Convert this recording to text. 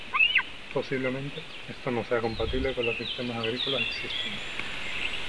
Posiblemente, esto no sea compatible con los sistemas agrícolas existentes.